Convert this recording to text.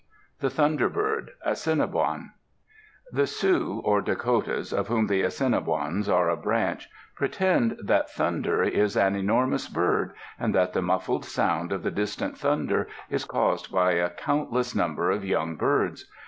THE THUNDER BIRD Assiniboin The Sioux, or Dakotas, of whom the Assiniboins are a branch, pretend that thunder is an enormous bird, and that the muffled sound of the distant thunder is caused by a countless number of young birds!